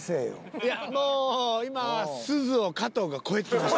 いやもう今はすずを加藤が超えてきました。